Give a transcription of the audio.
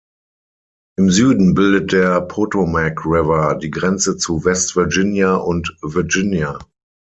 Im Süden bildet der Potomac River die Grenze zu West Virginia und Virginia.